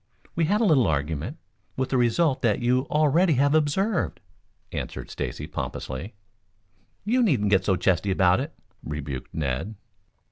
We had a little argument, with the result that you already have observed," answered Stacy pompously. "You needn't get so chesty about it," rebuked Ned.